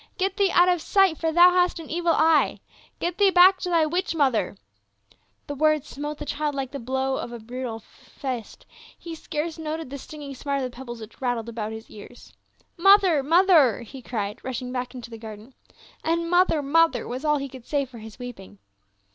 " Get thee out of sight, thou hast an evil eye ! Get tliee back to thy witch mother !" The words smote the child like the blow of a brutal fist, he scarce noticed the stinging smart of the peb bles which rattled about his ears. "Mother! Mother!" he cried rushing back into the garden. And " Mother, mother," was all he could say for his weeping.